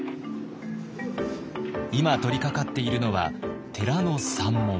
今取りかかっているのは寺の山門。